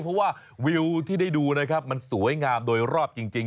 เพราะว่าวิวที่ได้ดูนะครับมันสวยงามโดยรอบจริง